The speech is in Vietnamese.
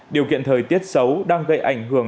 điều kiện thời tiết xấu đang gây ảnh hưởng